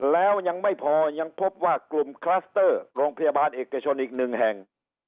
แล้วยังไม่พอยังพบว่ากลุ่มคลัสเตอร์โรงพยาบาลเอกชนอีกหนึ่งแห่ง